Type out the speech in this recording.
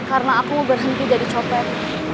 karena aku berhenti jadi copet